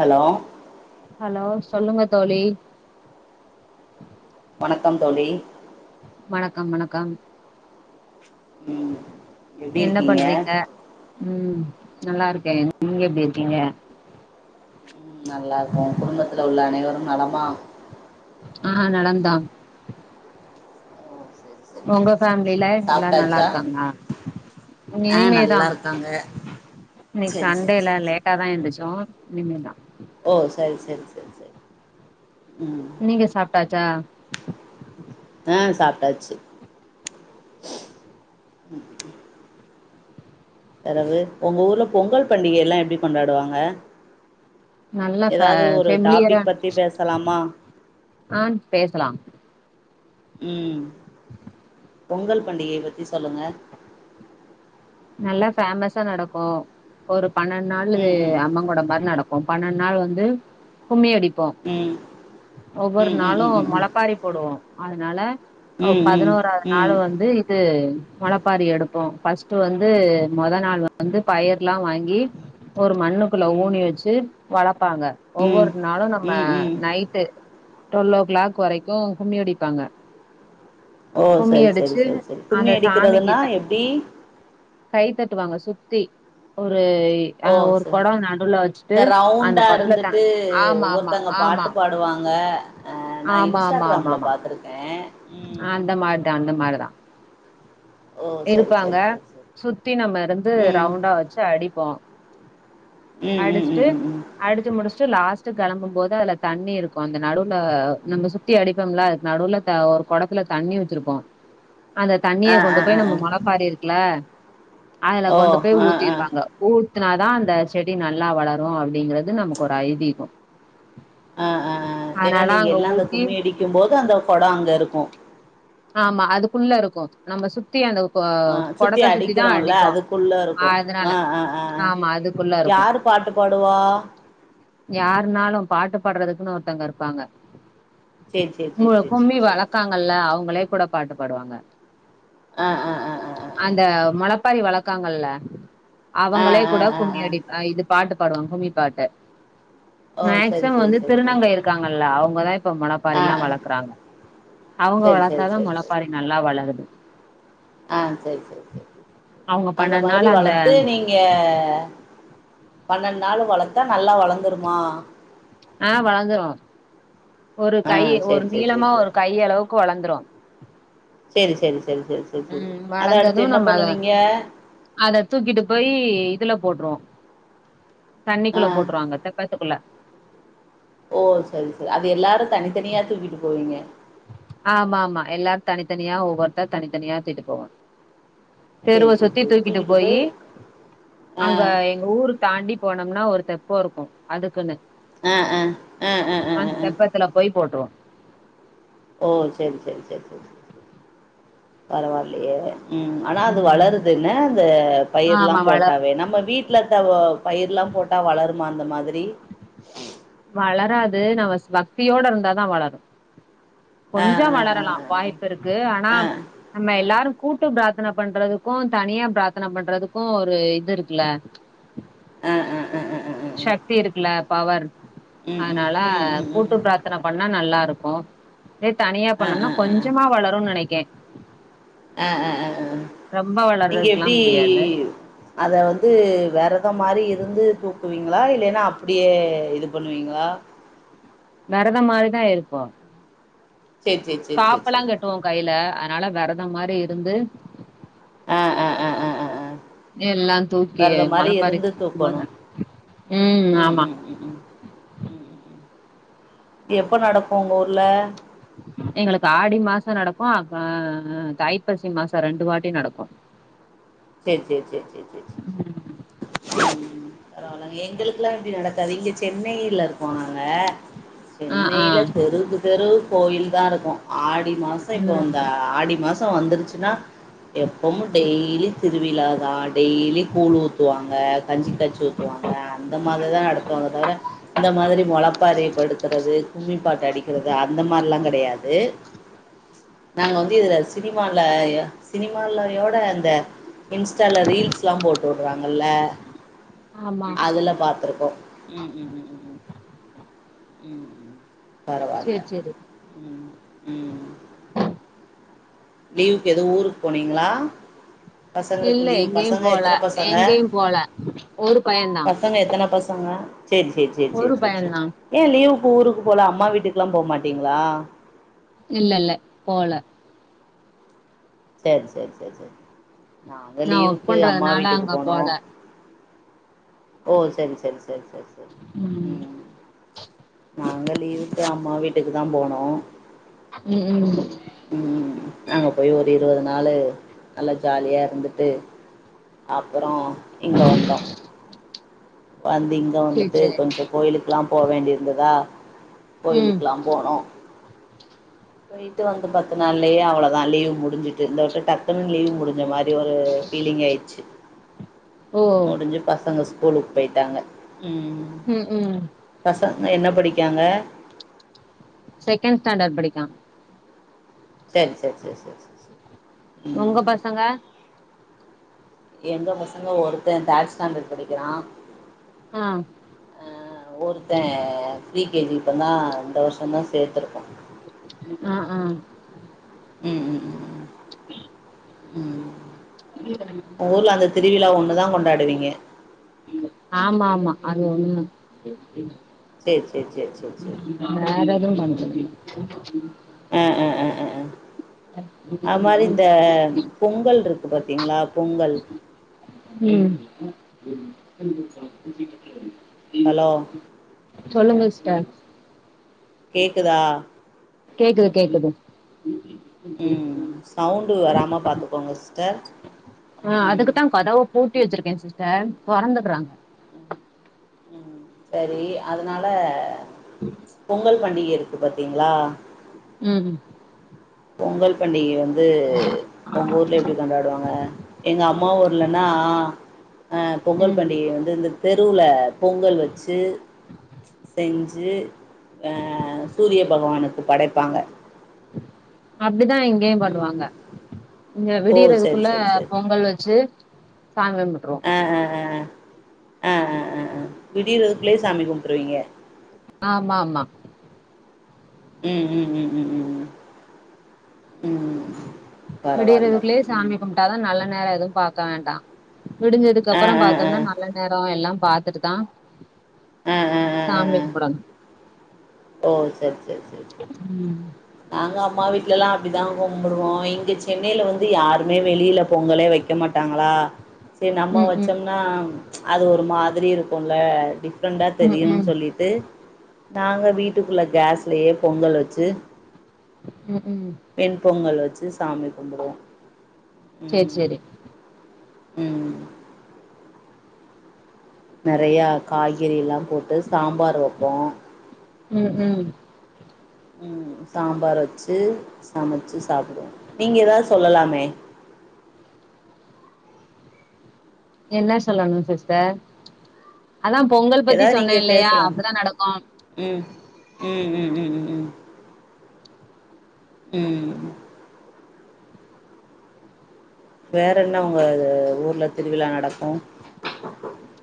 Hello hello சொல்லுங்க தோழி வணக்கம் தோழி வணக்கம் வணக்கம் ம் எப்டி என்ன இருக்கீங்க பண்றீங்க ம் நல்லா இருக்கே நீங்க எப்டி இருக்கீங்க ம் நல்லா இருக்கோ குடும்பத்துல்ல உள்ள அனைவரும் நலமா ஆ நலந்தா ஓ செரி செரி உங்க செரி செரி ஃபேம்லில எல்லா நல்லா சாப்ட்டாச்சா இருக்காங்ளா ஆ இனிமேதா நல்லா இருக்காங்க இன்னைக் செரி செரி சண்டேல செரி செரி லேட்டாதா எந்துர்ச்சோ இனிமேதா ஓ சரி சரி சரி சரி ம் நீங்க சாப்ட்டாச்சா ஆ சாப்ட்டாச்சு பெறகு உங்க ஊர்ல பொங்கல் பண்டிகைல்லா எப்டி கொண்டாடுவாங்க நல்லா ஃபெ ஏதாவது ஒரு ஃபெமிலியரா டாபிக் பத்தி பேசலாமா ஆ பேசலா ம் பொங்கல் பண்டிகை பத்தி சொல்லுங்க நல்லா ஃபேமஸா நடக்கு ஒரு பன்னெண் நாள்ளு ம் ம் அம்ம குட மாரி நடக் கு பன்னெண் நாள் வந்து கும்மி அடிப்போ ம் ஒவ்வொரு ம் ம் நாளு ம் ம் மொளப்பாரி போடுவோ அதனால ம் ம் பதினோராவது நாள் ம் வந்து து மொளப்பாரி எடுப்போ பஸ் டு வந்து மொத நாள் வந்து பயர்லா வாங்கி ஒரு மண்ணுக்குள்ள ம் ம் ஊனி வச்சு வளப்பாங்க ம் ஒவ்வொரு நாளு நம்ம ம் ம் night to twelve o'clock வரைக்கு கும்மி அடிப்பாங்க ஓ கும்மி சரி அடிச்சு அந்த சாமிக்குத்தா டி கை தட்டுவாங்க சுத்தி ஒரு அ ஓ ஒரு சேரி கொடோ நடுவுல வச்சுட்டு இந்த அந்த ரவுண்டா கொடத்துல த இருந்துட்டு ஆமா ஆமா ஒருத்தங்க ஆமா பாட்டு பாடுவாங்க ஆ நா இன்ஸ்டாகிராமல பாத்துருக்கே ஆ ம் அந்த மாரிதா அந்த மாரிதா ஓ சரி இருப்பாங்க சரி சரி சரி சுத்தி நம்ம இருந்து ம் ரவுண்டா வச்சு அடிப்போ ம் ம் அடிச்சிடு ம் ம் ம் அடிச்சு முடிசுட்டு லாஸ்ட் கிளம்பு போது அதுல தண்ணி இருக்கு அந்த நடுவுல நம்ப சுத் தி அடிப்போம்ல நடுவுல ஒரு குடத்துல தண்ணி வச்சிருப்போ உ அந்த தண்ணிய கொண்டு போய் நம்ப மொளப்பாரி இருக்குல அதுல ஓ கொண்டு போய் ஆ ஆ ஊத்திடுவாங்க ஊத்துனாதா அந்த செடி நல்லா வளரு அப்டிங்கிறது நமக்கு ஒரு ஐதீகோ ஆ ஆ ஆ எனா அதனால நீங்க அங்க எல்லா அந்த ஊத்தி கும்மி அடிக்கு போது அந்த கொடோ அங்க இருக்கு ஆமா அதுக்குள்ள இருக்கு நம்ம சுத்தி அந்த கொ ஆ கொடத்த சுத்தி தா அடிக்கிறோல்ல அடிப்போ அதுக்குள்ள இருக்கு அதுனால ஆ ஆ ஆ ஆ ஆமா அது யாரு பாட்டு பாடுவா யாருனாலு பாட்டு பாடுறதுக்குன்னு ஒருத்தங்க இருப்பாங்க சேரி சேரி சேரி சேரி சேரி சேரி நல்லா அவுங்களே கூட பாட்டு பாடுவாங்க ஆ ஆ ஆ ஆ ஆ ஆ அந்த மொளப்பாரி வளர்க்காங்கல்ல அவங்களே ஆ கூட ஆ ஆ கும்மி ஆ. அடி இது பாட்டு பாடுவாங்க கும்மி பாட்டு ஓ சரி மேக்சிமம் சரி வந்து சரி சரி திருநங்கை சரி இருக்காங்கல்ல அவுங்கதா இப்ப ஆ மொளப்பாரில்லா ஆ வளக்குறாங்க அவுங்க சரி சரி வளத்தாதா சரி சரி மொளப்பாரி நல்லா வளருது ஆ சேரி சேரி சேரி அவங்க அந்த மாரி பண்ணனால அந்த வளர்த்து நீங் க பனெண்டு நாளு வளத்தா நல்லா வளர்ந்துருமா ஆ வளந்துரு ஒரு ஆ கை ஒரு சரி சரி சரி நீளமா சரி ஒரு கைய அளவுக்கு வளந்துரு சேரி சேரி சேரி சேரி சேரி சேரி ம் அத வளந்தது அடுத்து என நம்ம அத பண்ணுவீங்க அத தூக்கிட்டு போய் இதுல போடுருவோ ஆ தண்ணிக்குள்ள போட்டுருவாங்க தெப்பத்துக்குள்ள ஓ சேரி சேரி அது எல்லாரு தனித்தனியா தூக்கிட்டு போவீங்க ஆமா ஆமா எல்லாரு தனித்தனியா ஒவ்வொருத்த தனித்தனியா துக்கிட்டு போவோ சரி தெருவ சரி சுத்தி சரி தூக்கிட்டு போய் போயி ஆ அங்க எங்க ஊரு தாண்டி போனோம்னா ஒரு தெப்போ இருக்கு அதுக்குன்னு ஆ ஆ ஆ ஆ ஆ அதுல போய் போட்ருவோ ஓ சேரி சேரி சேரி சேரி பரவாயில்லயே ம் ஆனா அது ம் வளருது என அந்த பயிர் எல்லா ஆமா வள போட்டாவே நம்ப வீட் லஇருக்க பயிருல்லா போட்டா வளருமா அந்த மாரி வளராது நம்ம பக்தியோட இருந்தாதா வளரு ஆ கொஞ்சோ ஆ ஆ வளரலா வாய்ப்பு இருக்கு ஆனா ஆ ஆ நம்ம எல்லாரு கூட்டு பிராத்தன பண்றதுக்கு தனியா பிராத்தன பண்றதுக்கு ஒரு இது இருக்குல ஆ ஆ ஆ ஆ ஆ ஆ ஆ ஆ. சக்தி இருக்குல பவர் ம் ம் அதுனால ம் ம் ம் கூட்டு ம் பிராத் தன பண்ணா நல்லா இருக்கு இதே தனியா ஆ ஆ பண்ணோம்னா ஆ ஆ கொஞ்சமா வளரும்னு நெனைக்குற அ ஆ ஆ அ ரொம்ப இங்க வளர்றதுக்குல்லா எப்டி முடியாது அத வந்து வெரத மாரி இருந்து தூக்குவீங்ளா இல்லைனா அப்டியே இது பண்ணுவீங்ளா வெரத மாரிதா இருப்போ சேர் சேர் காப்பலா கட்டுவோ கைல அதனால வெரத மாரி இருந்து ஆ ஆ ஆ ஆ ஆ ஆ எல்லா தூக்கி வெரதம் மாரி மொளப்பாறி [inaudible] இருந்து தூக்கணு ம் ம் ம் ம் எப்ப நடக்கு உங்க ஊர்ல எங்களுக்கு ஆடி மாச நடக்கு அ தைப்பசி மாச ரெண்டு வாட்டி நடக்கு சேரி சேரி சேரி சே சே சே ம் பரவாலங்க எங்களுக்லா இப்டி நடக்காது இங்க சென்னையில இருக்கோ நாங்க ஆ ஆ சென்னையில தெருக்கு தெரு கோயில் தா இருக்கு ஆடி மா ச இப்ப ம் வந்தா ஆடி மாசோ வந்துருச்சுனா எப்பமு டெய்லி திருவிழாதா டெய்லி கூழ் ஊத்துவாங்க கஞ்சி காச்சி ஊத்துவாங்க அந்த மாதி தா நடத்துவாங்க தவிர இந்த மாதிரி மொளப்பாரிப்படுத்றது கும்மிப்பாட்டு அடிக்கிறது அந்த மார்லா கெடையா து நாங்க வந்து இதுல சினிமால சினிமாலையோட அந்த இன்ஸ்ட்டால ரீல்ஸ்லா போட்டுடுவாங்கல்ல ஆமா அதுல பாத்துருக்கோ ம் ம் ம் ம் ம் ம் ம் பரவால்ல சேரி சேரி ம் ம் லீவுக்கு எது ஊருக்கு போனீங்ளா இல்ல எங்கேயு போல எத்தன பசங்க எங்கேயு போல ஒரு பைய தா பசங்க எத்தன பசங்க சேரி சேர் சே சே ஒரு சே சே பையந்தா ஏ லீவுக்கு ஊருக்கு போல அம்மா வீட்டுக்லா போமாட்டீங்ளா இல்ல இல்ல போல சேர் சேர் சே சே நாங்க நா ஒர்க் லீவுக்கு அம்மா பண்றதுனால வீட்டுக்கு அங்க போனோ போல ஓ சரி சரி சரி சரி ச ம் ம் நாங்க லீவுக்கு அம்மா வீட்டுக்கு தா போனோ ம் ம் ம் ம் அங்க போயி ஒரு இருவது நாளு நல்லா ஜாலியா இருந்துட்டு அப்பறோ இங்க வந்தோ வந்து இங்க சேரி வந்துட்டு சேரி கொஞ்சோ கோயிலுக்லா போ வேண்டி இருந்ததா ம் கோயிலுக்லா போனோ போய்ட்டு வந்து பத்து நாள்லயே அவ்ளோதா லீவு முடிஞ்சிட்டு இந்த வாட்டு டக்குன் லீவு முடிஞ்ச மாறி ஒரு பீலிங் ஆயிட்ச்சு ஓ ஓ முடிஞ்சு பசங்க ஸ்கூலுக்கு போயிட்டாங்க ம் ம் பசங்க என்ன படிக்காங்க செகண்ட் ஸ்டாண்டர்ட் படிக்கா செரி செ செ செ செ உங்க பசங்க எங்க பசங்க ஒருத்தர் தேட் ஸ்டாண்டர்ட் படிக்கிறா அ அ ஒருத்த ப்ரீ கே ஜி இப்பந்தா இந்த வருஷந்தா சேத்துருக்கோ அ அ ம் ம் ம் ம் [inaudible] உங்க ஊர்ல அந்த திருவிழா ஒன்னு தா கொண்டாடுவீங்க ஆமா ஆமா அது ஒண்ணு சேரி சேரி சேரி சேரி சேரி வேற எது பண்றதில்ல அ அ அ அ அ அது மாரி இந்த பொங்கல் இருக்கு பாத்தீங்களா பொங்கல் ம் அலோ சொல்லுங்க ஸ்டர் கேக்குதா கேக்குது கேக்குது ம் சவுண்டு வராம பாத்துக்கோங்க ஸ்டர் அ அதுக்குதா கதவ பூட்டி வச்சிருக்கே சிஸ்ட தொறந்தட்றாங்க ம் ம் சரி அதனால பொங்கல் பண்டிகை இருக்கு பாத்தீங்களா ம் பொங்கல் பண்டிகை வந்து உங்க ஊர்ல எப்டி கொண்டாடுவாங்க எங்க அம்மா ஒ ல்லன்னா அ பொங்கல் ம் பண்டிகை வந்து இந்த தெருவுல பொங்கல் வச்சு செஞ்சு அ சூரிய பகவானுக்கு படைப்பாங்க அப்டிதா இங்கயு ம் பண்ணுவாங்க இங்க ஓ சரி விடியறதுக்குள்ள சரி சரி பொங்கல் வச்சு சாமி கும்ட்ருவோ அ அ அ அ அ அ விடியதற்க்குள்ளயே சாமி கும்ட்ருவீங்க ஆமா ஆமா ம் ம் ம் ம் ம் ம் ம் பரவால்ல விடியறதுக்குள்ளயே ம் சாமி கும்ட்டாதா நல்ல நேர எதுவு பாக்க வேண்டா விடிஞ்சதுக்கு ஆ அப்புறம் ஆ பாத் ஆ ஆ தன்னா நல்ல நேர எல்லாம் பாத்துட்டு தா ஆ ஆ சாமி கும்பிடணு அ சரி சரி சரி சரி ம் நாங்க அம்மா வீட்ல எல்லா அப்படிதா கும்பிடுவோ இங்க சென்னையில வந்து யாருமே வெளியில பொங்கலே வை க மாட்டாங்களா நம்ம ம், ம், வச்சோம்னா அது ஒரு மாதிரி இருக்கும்ல டிஃப்ரெண்டா ம், தெரியும்னு ம், சொல்லி டு நாங்க வீட்டுக்குள்ள கேஸ்லயே பொங்கல் வச்சு ம் ம் வெண் பொங்கல் வச்சு சாமி கும்புடுவோ சரி, ம் சரி. ம் நெறயா காய்கறில்லா போட்டு சாம்பார் வப்போ ம் ம் ம் சாம்பார் வச்சு சமைச்சு சாப்புடுவோ நீங்க எதாவது சொல்லலாமே என்ன சொல்லணு சிஸ்ட அதா பொங்கல் பத்தி ஏதாவது சொன்னே நீங்க இல்லயா பேசலாம் அப்டிதா நடக்கு ம் ம் ம் ம் ம் ம் ம் வேற என்ன உங்க இது ஊர்ல திருவிழா நடக்கு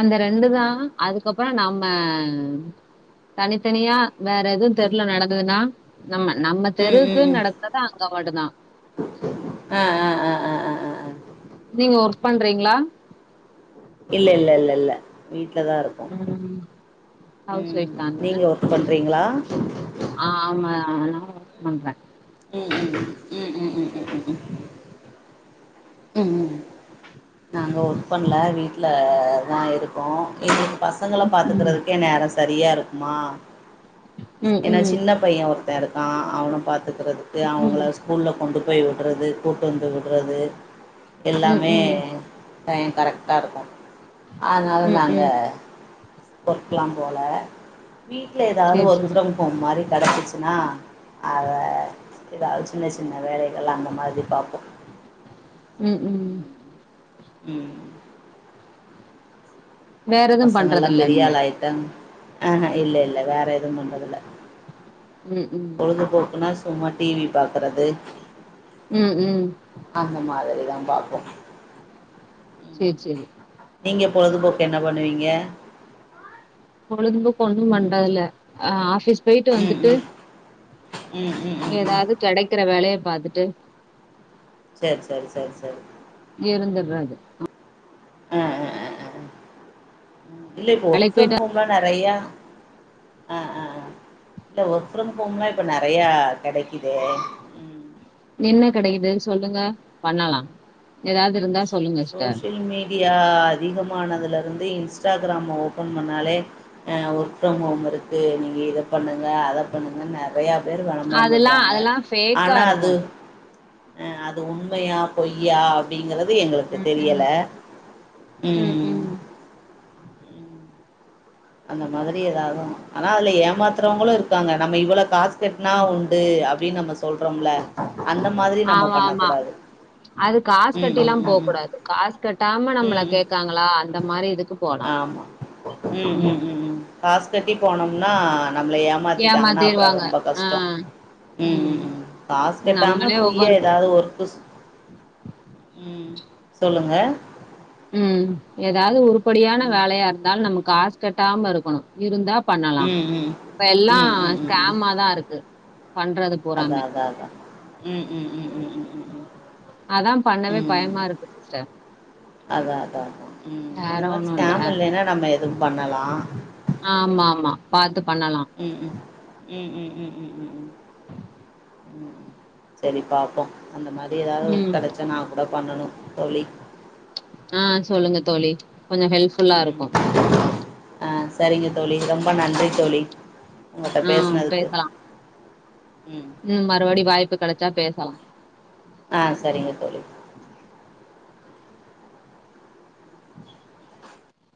அந்த ரெண்டு தா அதுக்கப்புற நம்ம தனித்தனியா வேற எது தெருல நடந்ததுன்னா நம்ம நம்ம ம் ம் தெருக்குன்னு ம் நடக்குறது அங்க மட்டு தா ஆ ஆ ஆ ஆ ஆ ஆ அ நீங்க ஒர்க் பண்றீங்களா இல்ல இல்ல இல்ல இல்ல வீட்ல தா இருக் ம் ஹவுஸ் ஒய்ஃப் தாங்க பண்றீங்ளா ஆ ஆமா நா ஒர்க் பண்றே ம் ம் ம் ம் ம் ம் ம் ம் ம் ம் ம் ம் நாங்க ஒர்க் பண்ல வீட்ல தா இருக்கோ பசங்கள ம். பாத்துக்குறதுக்கே நேர சரியா இருக்குமா ம், என்ன ம், சின்ன பைய ஒருத்த இருக்கா அவன பாத்துக்குறதுக்கு ம், அவுங்கள ஸ் கூல்ல கொண்டு போய் விடுறது கூட்டு வந்து விடுறது ம், எல்லாமே ம், டைய கரெக்டா இருக்கு அதனால ம், நாங்க ம். ஒர்க்லா போல வீட்ல எதாவ்து சரி, ஒர்க் சரி. ஃப்ரம் ஹோம் மாரி கெடச்சிச்சுனா அத எதாவ்து சின்ன சின்ன வேலைகள் அந்த மாதிரி பாப்போ ம் ம் ம் வேற எதுவும் பசங்கல்லா பண்றதில்ல பெரிய நீங்க? ஆளாயிட்டங் ஆ இல்ல இல்ல வேற எதுவு பன்றதில்ல ம், ம். பொழுதுபோக்குன்னா சும்மா டி வி பாக்குறது ம் ம் அந்த மாதிரிதா பாப்போ செரி செரி நீங்க பொழுதுபோக்கு என்ன பண்ணுவீங்க பொழுதுபோக்கு ஒண்ணு ம் பண்றதில்ல அ ஆஃபிஸ் போய்ட்டு ம் வந்துட்டு ம் ம் ம் ம் ம் எதாவ்து கெடக்கிற வேலைய பாத்துட்டு செர் சரி சரி சரி இருந்துறது ஆ ஆ ஆ ஆ ஆ இல்ல இப்போ ஒர்க் வேலைக்கு ஃப்ரம் போயிட்டா ஹோம்லா நெறையா ஆ ஆ ஆ இல்ல ஒர்க் ஃப்ரம் ஹோம்லா இப்போ நெறையா கெடக்குதே என்ன கெடைக்குது சொல்லுங்க பண்ணலா எதாவ்து இருந்தா சொல்லுங்க சிஸ்டர் டியா அதிகமானதுல இருந்தே இன்ஸ்டாகிராம ஓபன் பண்ணாலே அ ஒர்க் ஃப்ரம் ஹோம் இருக்கு நீங்க இத பண்ணுங்க அத பண்ணுங்கன் நெறைய பேரு வெளம்பர அதெல்லா பன்றாங்க அதெல்லா ஃபேக்கா ஆனா அது இருக்கு அ அது உண்மையா பொய்யா ங்குறது எங்களுக்கு ம் தெரியல ம் ம் ம் அந்த மாதிரி எதாவ்து ஆனா அதுல ஏமாத்துறவங்களு இருக்காங்க நம்ம இவ்வள காசு கட்னா உண்டு அப்டின்னு நம்ம சொல்றோம்ல அந்த மாதிரி நம்ம ஆமா பண்ண ஆமா கூடாது அது காஸ் கட்டில்லா போகூடாது காசு கட்டாம ம் நம்மள ம் ம் கேக்காங்களா அந்த மாரி இதுக்கு போலா ஆமா ம் ம் ம் ம் காசு கட்டி போனம்னா நம்ள ஏ மாத்திட்டாங்கன்னா அப்றோ ஏமாத்திருவாங்க ரொம்ப ஆ கஷ்டொ ம் ம் ம் காஸ் கட்டாம நம்மளே ஃப்ரீயா ஒவ்வொரு எதாவ்து ஒர்க்கு ம் சொல்லுங்க ம் ஏதாவ்து உறுப்படியான ம் வேலையாருந்தாலு நம்மகாசு கட்டாமருக்கனு இருந்தா பண்ணலா ம் ம் இப்ப எல்லா ம் ம் ம் ம் ஸ்கேமாதாருக்கு பண்றது அதா பூராமே அதா அதா ம் ம் ம் ம் ம்ம்ம் அதா பண்ணவே பயமாருக்கு சிஸ்டர் அதா அதா அதா ம் அந்த வேற மாரி ஒண்ணும் இல்ல ஸ்கேம் இல்லைன்னா நம்ம எதுவு பண்ணலா ஆமா ஆமா பாத்து பண்ணலா ம் ம் ம் ம் ம் ம் ம் ம் ம் செரி பாப்போ அந்த மாதிரி எதாவது ம் கெடச்சா நா கூட பண்ணனு தோழி ஆ சொல்லுங்க தோழி கொஞ்சோ ஹெல்ப் ம் ஆ செரிங்க தோழி ரொம்ப நன்றி தோழி உங்கள்ட்ட ஆ பேஸ்னதுக்கு பேசலாம் ம் ம் மறுபடி வாய்ப்பு கெடச்சா பேசலா ஆ செரிங்க தோழி